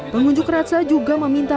pengunjuk rasa juga meminta